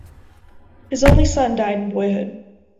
His only son died in boyhood.